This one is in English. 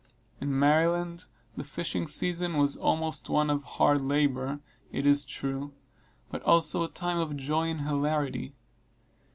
In Maryland, the fishing season was always one of hard labor, it is true, but also a time of joy and hilarity.